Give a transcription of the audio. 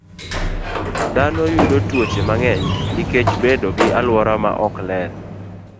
Dhano yudo tuoche mang'eny nikech bedo gi alwora maok ler.